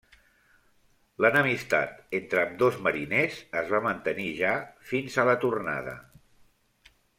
L'enemistat entre ambdós mariners es va mantenir ja fins a la tornada.